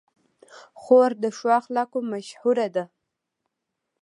خور د ښو اخلاقو مشهوره ده.